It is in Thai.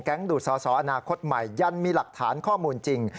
แก๊งดุดเสาเซาอนาคตใหม่ยั่นมีหลักฐานข้อมูลจริง